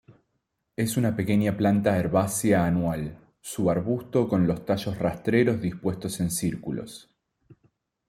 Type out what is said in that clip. Es una pequeña planta herbácea anual, subarbusto con los tallos rastreros dispuestos en círculos.